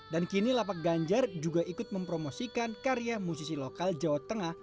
dan kini lapak ganjar juga ikut mempromosikan karya musisi lokal jawa tengah